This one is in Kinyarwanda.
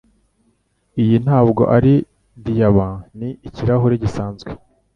Iyi ntabwo ari diyama Ni ikirahure gisanzwe